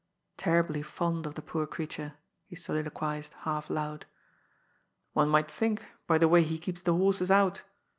" Terribly fond of the poor creature," he soliloquized, half aloud, ^^one might £hink, by the way he keeps the horses out.